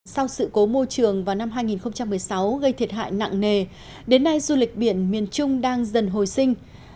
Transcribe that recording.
sau sự cố môi trường vào năm hai nghìn một mươi sáu gây thiệt hại nặng nề đến nay du lịch biển miền trung đang dần hồi sinh